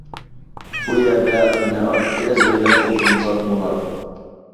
بۇ يەردە بۇنى ئارتۇقچە ئەزۋەيلەپ ئولتۇرمىساقمۇ بولار.